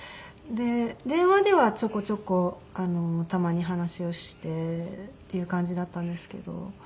電話ではちょこちょこたまに話をしてっていう感じだったんですけど。